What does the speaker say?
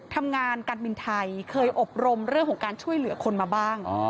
ทำงานการบินไทยเคยอบรมเรื่องของการช่วยเหลือคนมาบ้าง